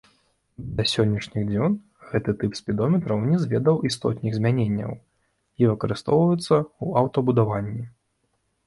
Да сённяшніх дзён гэты тып спідометраў не зведаў істотных змяненняў і выкарыстоўваецца ў аўтабудаванні.